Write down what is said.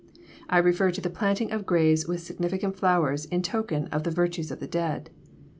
I refer to the planting of graves with significant flowers in token of the virtues of the dead.